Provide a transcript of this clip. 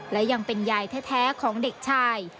และยังเป็นยายแท้ของเด็กชาย